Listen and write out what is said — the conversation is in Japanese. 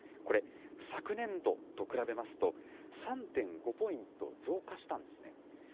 これ、昨年度と比べますと、３．５ポイント増加したんですね。